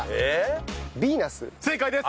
正解です！